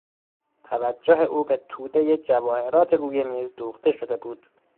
توجه او به تودهی جواهرات روی میز دوخته شده بود.